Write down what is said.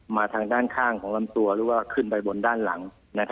ทางด้านข้างของลำตัวหรือว่าขึ้นไปบนด้านหลัง